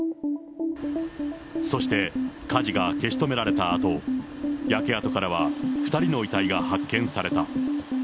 そして、火事が消し止められたあと、焼け跡からは２人の遺体が発見された。